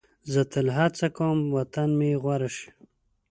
زه تل هڅه کوم وطن مې غوره شي.